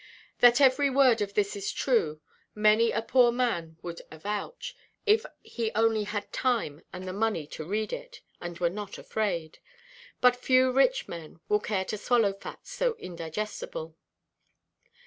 That every word of this is true, many a poor man would avouch (if he only had time and the money to read it, and were not afraid); but few rich men will care to swallow facts so indigestible.